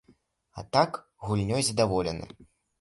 А так гульнёй задаволены.